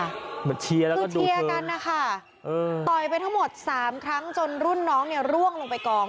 เหมือนเชียร์แล้วคือเชียร์กันนะคะต่อยไปทั้งหมดสามครั้งจนรุ่นน้องเนี่ยร่วงลงไปกอง